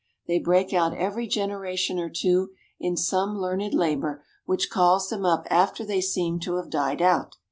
They break out every generation or two in some learned labor which calls them up after they seem to have died out.